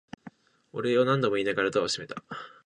お礼を何度も言いながらドアを閉めた。